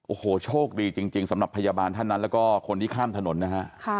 โอ้โหโชคดีจริงสำหรับพยาบาลท่านนั้นแล้วก็คนที่ข้ามถนนนะฮะ